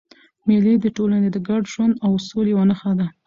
مېلې د ټولني د ګډ ژوند او سولي یوه نخښه ده.